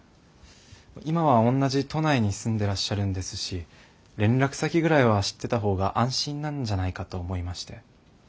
今は同じ都内に住んでらっしゃるんですし連絡先ぐらいは知ってた方が安心なんじゃないかと思いまして。